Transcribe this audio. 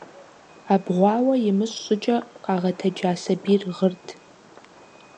Абгъуауэ имыщӀ щӀыкӀэ къагъэтэджа сабийр гъырт.